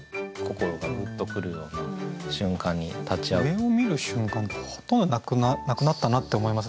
上を見る瞬間ってほとんどなくなったなって思います